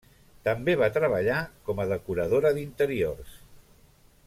També va treballar com a decoradora d'interiors.